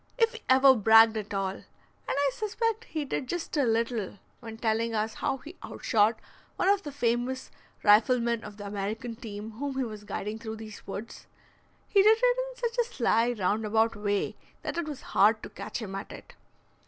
If he ever bragged at all (and I suspect he did just a little, when telling us how he outshot one of the famous riflemen of the American team, whom he was guiding through these woods), he did it in such a sly, round about way that it was hard to catch him at it.